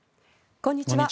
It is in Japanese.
こんにちは。